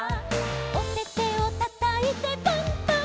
「おててをたたいてパンパンパン！！」